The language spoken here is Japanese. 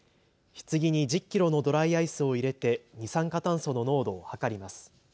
ひつぎに１０キロのドライアイスを入れて二酸化炭素の濃度を測ります。